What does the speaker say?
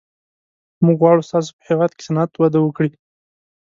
موږ غواړو ستاسو په هېواد کې صنعت وده وکړي